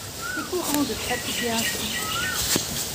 C’est courant de pratiquer ainsi.